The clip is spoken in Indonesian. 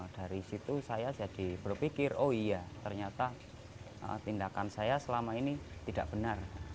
dari situ saya jadi berpikir oh iya ternyata tindakan saya selama ini tidak benar